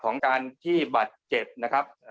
ของการที่บาดเจ็บนะครับ